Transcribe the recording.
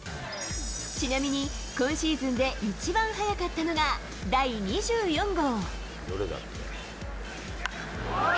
ちなみに今シーズンで一番速かったのが第２４号。